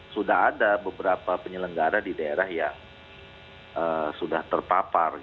sudah ada beberapa penyelenggara di daerah yang sudah terpapar